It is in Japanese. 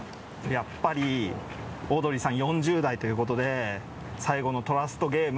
やっぱりオードリーさん４０代ということで最後のトラストゲーム。